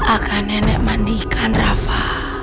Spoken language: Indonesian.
akan nenek mandikan rafa